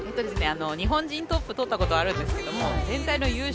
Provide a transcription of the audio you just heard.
日本人トップ取ったことあるんですけど全体の優勝